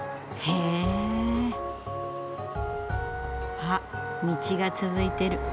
あ道が続いてる。